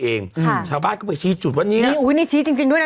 เองค่ะชาวบ้านก็เป็นจุดว่าเงี้ยชี้จริงจริงด้วย